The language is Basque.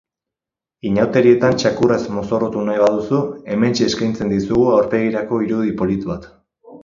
Inauterietan txakurrez mozorrotu nahi baduzu, hementxe eskaintzen dizugu aurpegirako irudi polit bat.